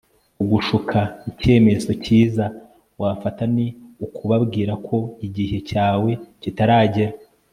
kugushuka, ikemezo kiza wafata ni ukubabwira ko igihe cyawe kitaragera